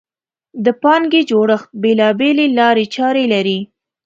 د پانګې جوړښت بېلابېلې لارې چارې لري.